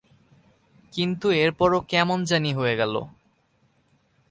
কিন্তু এরপর ও কেমন জানি হয়ে গেলো।